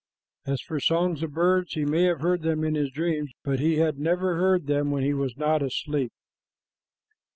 As for the songs of birds, he may have heard them in his dreams, but he never heard them when he was not asleep.